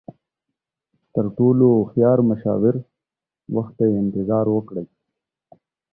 تر ټولو هوښیار مشاور، وخت ته انتظار وکړئ.